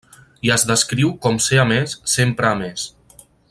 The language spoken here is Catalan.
I es descriu com ser a més, sempre a més.